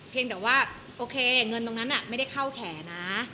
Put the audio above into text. แต่ว่าโอเคเงินตรงนั้นไม่ได้เข้าแขนะ